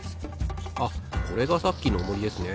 あこれがさっきのオモリですね。